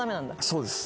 そうです。